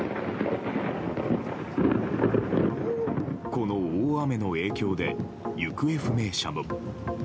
この大雨の影響で行方不明者も。